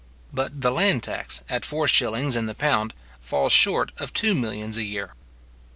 But the land tax, at four shillings in the pound, falls short of two millions a year.